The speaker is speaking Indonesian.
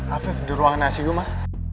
afif di ruang icu mah